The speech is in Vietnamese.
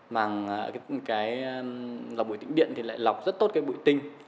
màng lọc bụi tĩnh điện lọc rất tốt bụi tinh